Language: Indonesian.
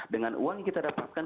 dengan uang kita dapatkan